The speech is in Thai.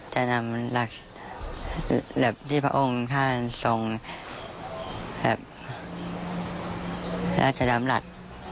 จะนำหลักที่พระองค์ท่านส่งและจะนำหลัก